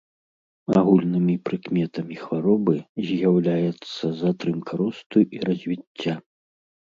Агульнымі прыкметамі хваробы з'яўляецца затрымка росту і развіцця.